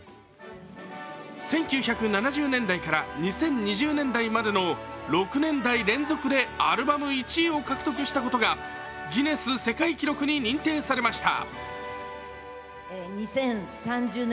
１９７０年代から２０２０年代までの６年代連続でアルバム１位を獲得したことがギネス世界記録に認定されました。